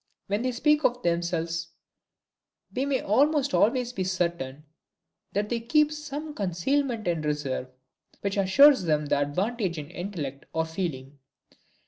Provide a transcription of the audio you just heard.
When they speak of themselves, we may almost always be certain that they keep some concealment in reserve, which assures them the advantage in intellect, or feeling.